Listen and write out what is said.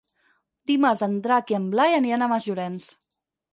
Dimarts en Drac i en Blai aniran a Masllorenç.